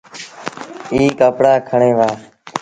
اي ڪپڙآ کڻي وهآ۔